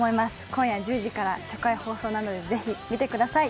今夜１０時から初回放送なのでぜひ見てください